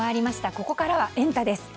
ここからはエンタ！です。